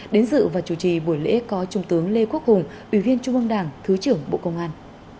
đến dự và chủ trì buổi lễ có trung tướng lê quốc hùng ủy viên trung ương đảng thứ trưởng bộ công an